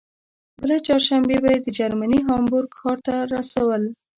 بله چهارشنبه به یې د جرمني هامبورګ ښار ته رسول.